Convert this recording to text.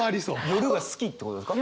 夜が好きってことですか？